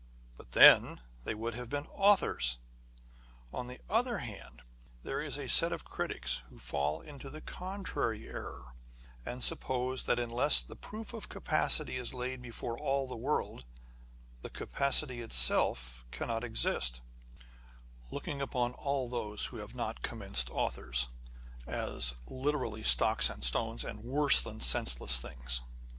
But then they would have been authors ! On the other hand, there is a set of critics who fall into the contrary error ; and suppose that unless the proof of capacity is laid before all the world, the capacity itself cannot exist ; looking upon all those who have not commenced authors, as literally " stocks and stones, and worse than senseless things."